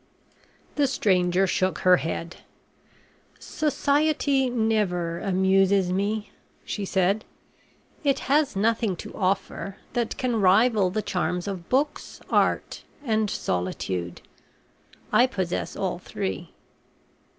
The stranger shook her head. "Society never amuses me," she said. "It has nothing to offer that can rival the charms of books, art, and solitude. I possess all three."